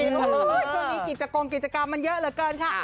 ช่วงนี้กิจกงกิจกรรมมันเยอะเหลือเกินค่ะ